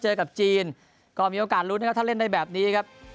เจอกับจีนก็มีโอกาสลุ้นนะครับถ้าเล่นได้แบบนี้ครับ